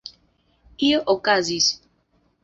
Io okazis.